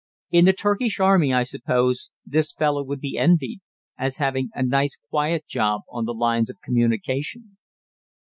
In the Turkish army, I suppose, this fellow would be envied, as having a nice quiet job on the lines of communication.